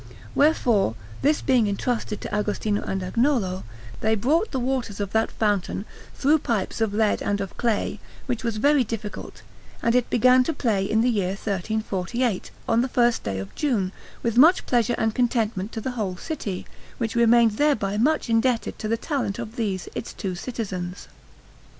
Wherefore, this being entrusted to Agostino and Agnolo, they brought the waters of that fountain through pipes of lead and of clay, which was very difficult, and it began to play in the year 1343, on the first day of June, with much pleasure and contentment to the whole city, which remained thereby much indebted to the talent of these its two citizens.